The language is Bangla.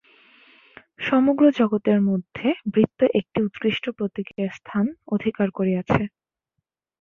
সমগ্র জগতের মধ্যে বৃত্ত একটি উৎকৃষ্ট প্রতীকের স্থান অধিকার করিয়াছে।